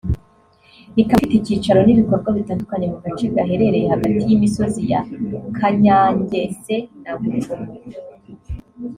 ikaba ifite icyicaro n’ibikorwa bitandukanye mu gace gaherereye hagati y’imisozi ya Kanyangese na Bujumo